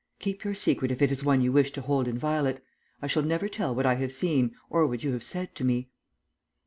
Keep your secret if it is one you wish to hold inviolate. I shall never tell what I have seen or what you have said to me."